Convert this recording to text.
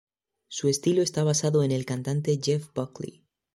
Su estilo está basado en el cantante Jeff Buckley.